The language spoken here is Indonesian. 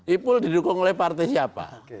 ipul didukung oleh partai siapa